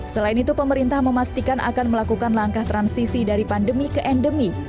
selain itu pemerintah memastikan akan melakukan langkah transisi dari pandemi ke endemi